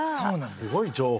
すごい情報。